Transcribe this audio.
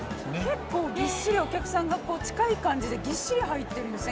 結構ぎっしりお客さんがこう近い感じでぎっしり入ってるんですね